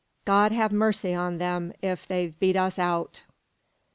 God ha' mercy on them if they've beat us out!"